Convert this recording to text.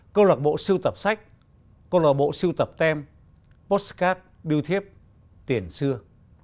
cô lạc bộ siêu tập sách cô lạc bộ siêu tập tem postcard biêu thiếp tiền xưa